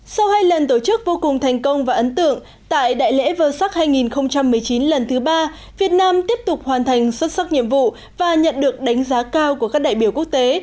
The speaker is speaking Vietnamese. sau hai lần tổ chức vô cùng thành công và ấn tượng tại đại lễ vơ sắc hai nghìn một mươi chín lần thứ ba việt nam tiếp tục hoàn thành xuất sắc nhiệm vụ và nhận được đánh giá cao của các đại biểu quốc tế